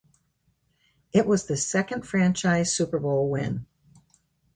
It was the second franchise Super Bowl win.